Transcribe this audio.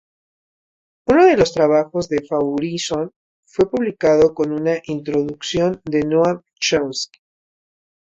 Uno de los trabajos de Faurisson fue publicado con una introducción de Noam Chomsky.